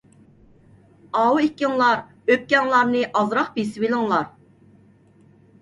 ئاۋۇ ئىككىڭلار ئۆپكەڭلارنى ئازراق بېسىۋېلىڭلار.